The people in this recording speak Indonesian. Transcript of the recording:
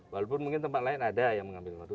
walaupun mungkin tempat lain ada yang mengambil waduk